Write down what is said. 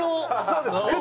そうですね。